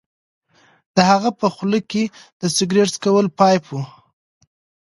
د هغه په خوله کې د سګرټ څکولو پایپ و